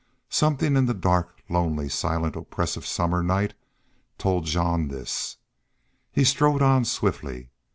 Something in the dark, lonely, silent, oppressive summer night told Jean this. He strode on swiftly.